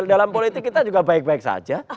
dalam politik kita juga baik baik saja